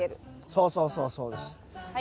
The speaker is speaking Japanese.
そうそうそうそうです。